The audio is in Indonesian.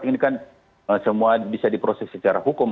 ini kan semua bisa diproses secara hukum